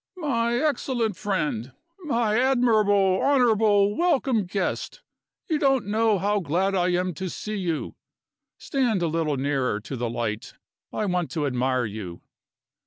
"My excellent friend! My admirable, honorable, welcome guest, you don't know how glad I am to see you. Stand a little nearer to the light; I want to admire you."